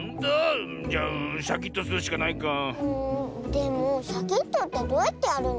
でもシャキッとってどうやってやるの？